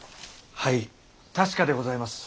はい確かでございます。